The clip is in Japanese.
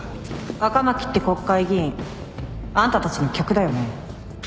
赤巻って国会議員あんたたちの客だよね？